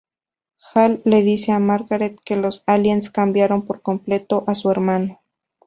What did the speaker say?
Hal le dice a Margaret que los aliens cambiaron por completo a su hermano.